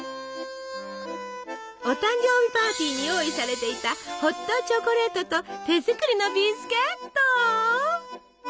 お誕生日パーティーに用意されていたホットチョコレートと手作りのビスケット。